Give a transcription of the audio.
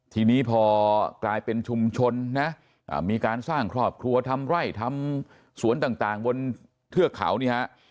ทีนี้พอกลายเป็นชุมชนนะมีการสร้างครอบครัวทำไร่ทำสวนต่างบนเทือกเขาเนี่ยฮะ